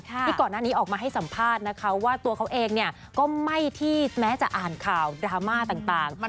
ที่ก่อนหน้านี้ออกมาให้สัมภาษณ์นะคะว่าตัวเขาเองก็ไม่ที่แม้จะอ่านข่าวดราม่าต่าง